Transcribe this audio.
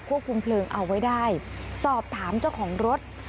คุมเพลิงเอาไว้ได้สอบถามเจ้าของรถ